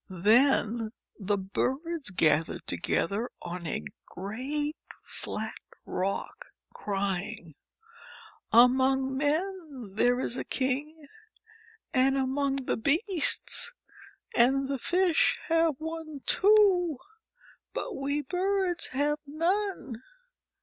Then the birds gath ered together on a great flat rock, crying: "Among men there is a king, and among the beasts, and the fish have one, too; but we birds have none.